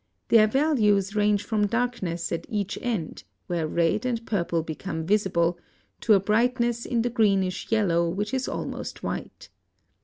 Their values range from darkness at each end, where red and purple become visible, to a brightness in the greenish yellow, which is almost white.